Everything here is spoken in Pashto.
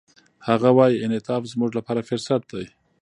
هغه وايي، انعطاف زموږ لپاره فرصت دی.